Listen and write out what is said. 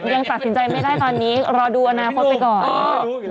ยังตัดสินใจไม่ได้ตอนนี้รอดูอนาคตไปก่อน